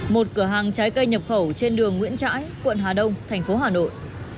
một cửa hàng trái cây nhập khẩu trên đường nguyễn trãi quận hà đông thành phố hà nội